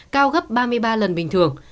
cao gấp ba mươi ba lần bình thường